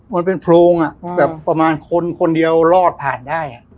มันเป็นโพร่งประมาณคนเข้าไปได้